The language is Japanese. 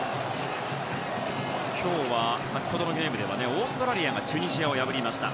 今日は、先ほどのゲームではオーストラリアがチュニジアを破りました。